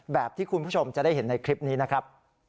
แบบที่คุณผู้ชมจะได้เห็นในคลิปนี้นะครับ